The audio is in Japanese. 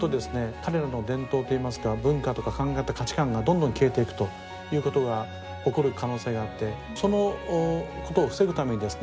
彼らの伝統といいますか文化とか考え方価値観がどんどん消えていくということが起こる可能性があってそのことを防ぐためにですね